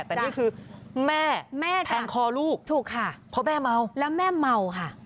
แต่นี่คือแม่แม่แทงคอลูกถูกค่ะเพราะแม่เมาแล้วแม่เมาค่ะ